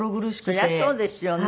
そりゃそうですよね。